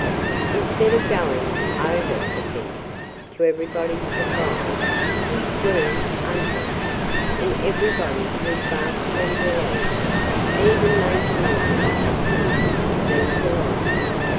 Instead of going over the fence, to everybody's surprise he squirmed under it. And everybody was vastly relieved. Even Major Monkey appeared to be delighted.